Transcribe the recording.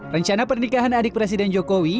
rencana pernikahan adik presiden jokowi